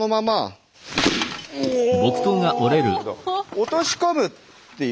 落とし込むっていう。